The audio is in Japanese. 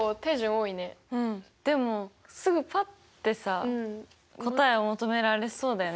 でもすぐパッてさ答えを求められそうだよね。